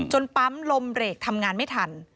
ปั๊มลมเบรกทำงานไม่ทัน